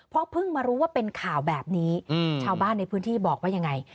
เพราะเพิ่งมารู้ว่าเป็นข่าวแบบนี้ชาวบ้านในพื้นที่บอกว่ายังไง